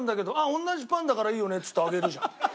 同じパンだからいいよねっつってあげるじゃん。